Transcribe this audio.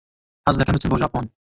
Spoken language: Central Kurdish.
حەز دەکەم بچم بۆ ژاپۆن.